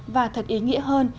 và thật ý nghĩa hơn